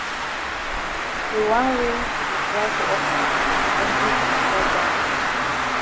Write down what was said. De wan wey yi dry for up side den big for side down.